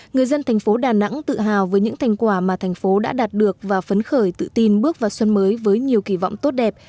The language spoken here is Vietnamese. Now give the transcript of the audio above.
người dân thành phố đà nẵng tự hào với những thành quả mà thành phố đã đạt được và phấn khởi tự tin bước vào xuân mới với nhiều kỳ vọng tốt đẹp